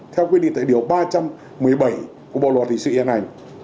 theo quy định tài điều ba trăm một mươi bảy của bộ luật hình sự yên ảnh